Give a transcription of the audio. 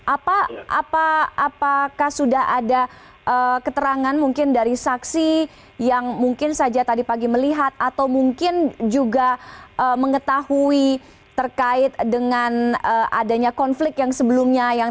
apakah sudah ada keterangan mungkin dari saksi yang mungkin saja tadi pagi melihat atau mungkin juga mengetahui terkait dengan adanya konflik yang sebelumnya